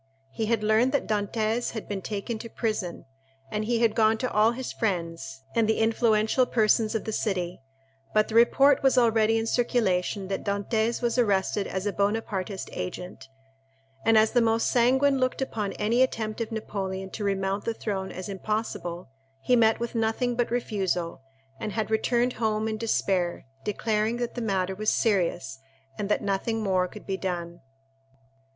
He had learned that Dantès had been taken to prison, and he had gone to all his friends, and the influential persons of the city; but the report was already in circulation that Dantès was arrested as a Bonapartist agent; and as the most sanguine looked upon any attempt of Napoleon to remount the throne as impossible, he met with nothing but refusal, and had returned home in despair, declaring that the matter was serious and that nothing more could be done.